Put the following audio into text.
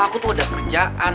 aku ada kerjaan